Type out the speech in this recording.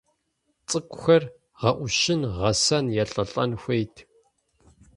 Цӏыкӏухэр гъэӀущын, гъэсэн, елӀэлӀэн хуейт.